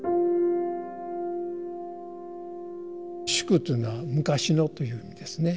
「宿」というのは昔のという意味ですね。